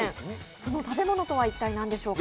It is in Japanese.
その食べ物とは一体何でしょうか。